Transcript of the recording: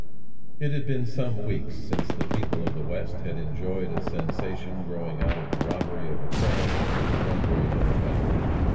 It had been some weeks since the people of the West had enjoyed a sensation growing out of the robbery of a train, or the plundering of a bank.